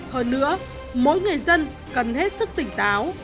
hơn nữa mỗi người dân cần hết sức tỉnh táo